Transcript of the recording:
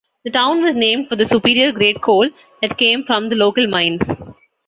The town was named for the superior-grade coal that came from the local mines.